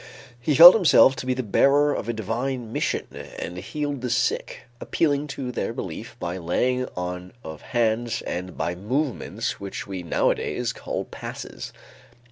He felt himself to be the bearer of a divine mission and healed the sick, appealing to their belief by laying on of hands and by movements which we nowadays call passes.